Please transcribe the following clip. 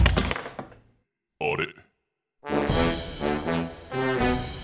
あれ？